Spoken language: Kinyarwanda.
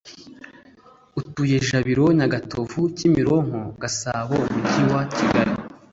utuye Jabiro NyagatovuKimironko Gasabo Umujyi wa